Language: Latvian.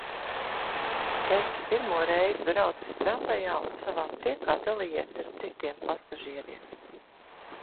Tētis pirmoreiz braucis tramvajā un savā priekā dalījies ar citiem pasažieriem.